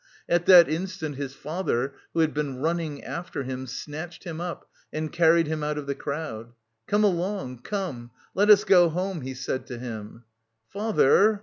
At that instant his father, who had been running after him, snatched him up and carried him out of the crowd. "Come along, come! Let us go home," he said to him. "Father!